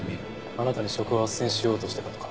あなたに職を斡旋しようとしてたとか。